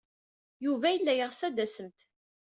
Yuba yella yeɣs ad d-tasemt.